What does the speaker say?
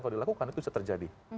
kalau dilakukan itu bisa terjadi